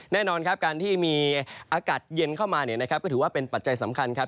แน่นอนครับการที่มีอากาศเย็นเข้ามาก็ถือว่าเป็นปัจจัยสำคัญครับ